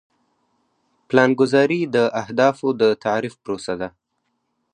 پلانګذاري د اهدافو د تعریف پروسه ده.